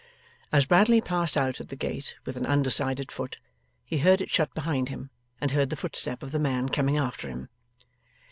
As Bradley passed out at the gate with an undecided foot, he heard it shut behind him, and heard the footstep of the man coming after him.